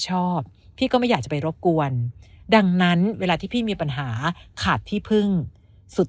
ชอบพี่ก็ไม่อยากจะไปรบกวนดังนั้นเวลาที่พี่มีปัญหาขาดที่พึ่งสุด